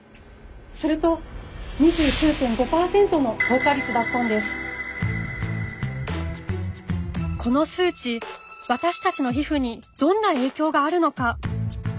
するとこの数値私たちの皮膚にどんな影響があるのか？